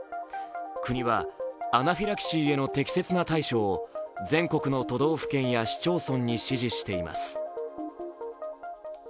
国はアナフィラキシーへの適切な対処を全国の都道府県や市町村に指示しています。